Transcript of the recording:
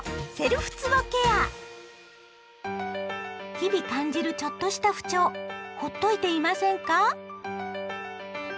日々感じるちょっとした不調ほっといていませんか？